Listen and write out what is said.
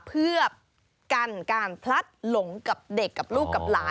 เพื่อกันการพลัดหลงกับเด็กกับลูกกับหลาน